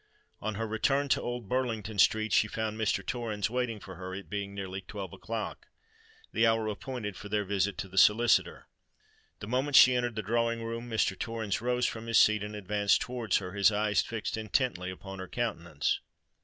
On her return to Old Burlington Street, she found Mr. Torrens waiting for her, it being nearly twelve o'clock—the hour appointed for their visit to the solicitor. The moment she entered the drawing room, Mr. Torrens rose from his seat, and advanced towards her, his eyes fixed intently upon her countenance.